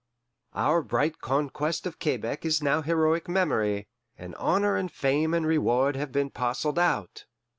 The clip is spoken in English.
Our bright conquest of Quebec is now heroic memory, and honour and fame and reward have been parcelled out.